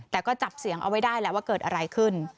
แต่ก็จับเสียงเอาไว้ได้แหละว่าเกิดอะไรขึ้น